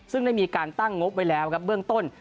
ซึ่งได้มีการตั้งงบไว้แล้วครับเบื้องต้น